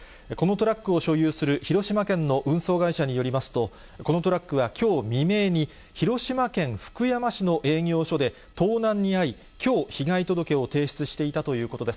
このトラックを所有する広島県の運送会社によりますと、このトラックはきょう未明に、広島県福山市の営業所で盗難に遭い、きょう、被害届を提出していたということです。